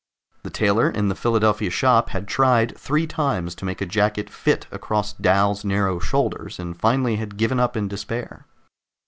The tailor in the Philadelphia shop had tried three times to make a jacket fit across Dal's narrow shoulders, and finally had given up in despair.